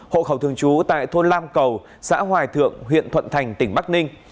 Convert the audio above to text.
hộ khẩu thường trú tại thôn lam cầu xã hoài thượng huyện thuận thành tỉnh bắc ninh